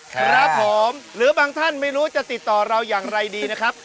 ครับผมหรือบางท่านไม่รู้จะติดต่อเราอย่างไรดีนะครับ